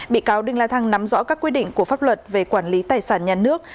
bị cáo đinh la thăng nắm rõ các quy định của pháp luật về quản lý tài sản nhà nước